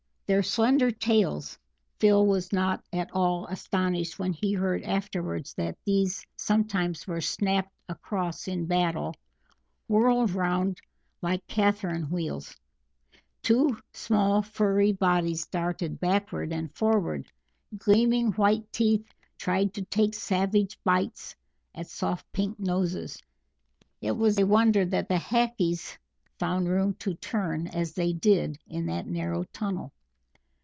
Their slender tails Phil was not at all astonished when he heard afterwards that these sometimes were snapped across in battle whirled round like Catherine wheels; two small furry bodies darted backward and forward; gleaming white teeth tried to take savage bites at soft pink noses. It was a wonder that the Hackees found room to turn as they did in that narrow tunnel.